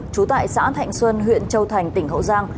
trú tại xã thạnh xuân huyện châu thành tỉnh hậu giang